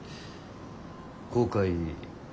後悔。